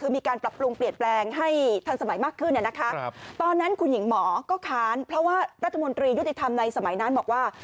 มียุติธรรมในสมัยนั้นบอกว่า